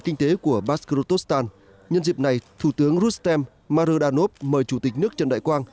kinh tế của baskorostan nhân dịp này thủ tướng rustem mardanov mời chủ tịch nước trần đại quang